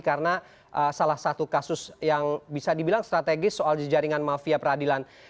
karena salah satu kasus yang bisa dibilang strategis soal jejaringan mafia peradilan